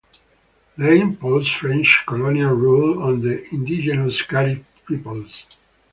They imposed French colonial rule on the indigenous Carib peoples.